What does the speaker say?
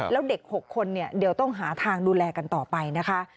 แล้วเด็ก๖คนเดี๋ยวต้องหาทางดูแลกันต่อไปนะคะ